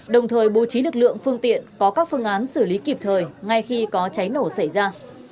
đồng thời bố trí lực lượng phương tiện có các phương án xử lý kịp thời ngay khi có cháy nổ xảy ra